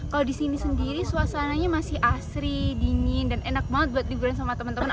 kalau di sini sendiri suasananya masih asri dingin dan enak banget buat liburan sama teman teman